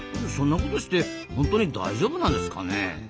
そんなことして本当に大丈夫なんですかねえ？